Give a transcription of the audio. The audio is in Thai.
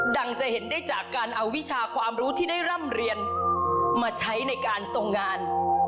จะเห็นได้จากการเอาวิชาความรู้ที่ได้ร่ำเรียนมาใช้ในการทรงงาน